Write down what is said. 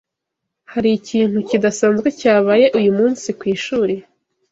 Hari ikintu kidasanzwe cyabaye uyu munsi kwishuri?